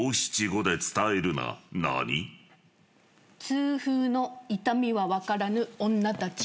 通風の痛みは分からぬ女たち。